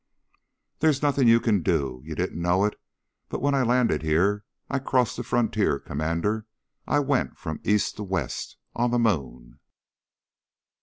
"There's nothing you can do. You didn't know it but when I landed here I crossed the frontier, Commander. I went from East to West, on the moon."